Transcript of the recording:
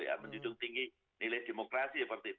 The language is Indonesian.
yang menunjuk tinggi nilai demokrasi seperti itu